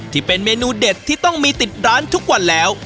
ที่เป็นเมนูเด็ดที่ต้องมีติดร้านทุกวันแล้ว